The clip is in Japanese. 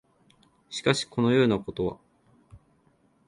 しかし、このようなことは、